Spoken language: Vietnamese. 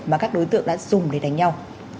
mà các đối tượng đã dùng để đánh nhau